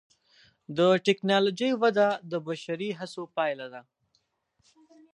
د ټکنالوجۍ وده د بشري هڅو پایله ده.